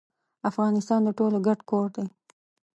افغانستان د ټولو ګډ کور دي.